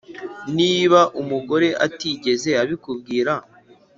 Niba umugore atigeze abikubwira